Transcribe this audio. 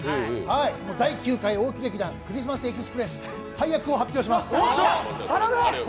第９回大木劇団「クリスマス・エクスプレス」配役を発表します。